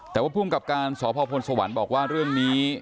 แต่ว่าพ่วงกลับการณ์สพสวรรษ์บอกว่ารื่องนี้